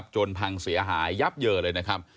จนพังเสียหายยับเยอะเลยนะครับ